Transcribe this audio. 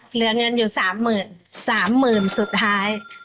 เหลือเงินอยู่๓หมื่นสามหมื่นสุดท้าย